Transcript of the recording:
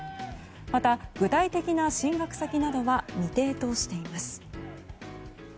また、具体的な進学先などは未定としています。